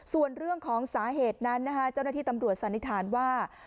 ส่วนเรื่องของสาเหตุนั้นนะคะเจ้าหน้าที่ตำรวจสันนิษฐานว่า